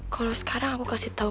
kalau sekarang aku kasih tahu